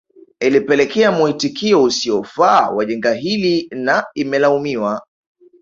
Ilipelekea muitikio usiofaa wa janga hili na imelaumiwa